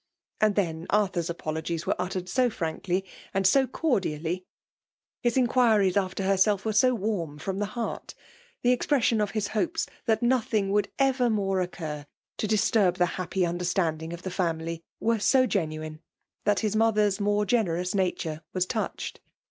And then^ Arthur's afologies were uttered so frankly « and so cor dially ; his inquiries after herself were so warm rfrom the heart ; the expression of his hopes that nothing would ever more occur to disturb tlfe' happy understanding of the femily were M^ genuine^ that his mother's more generous nature was touched.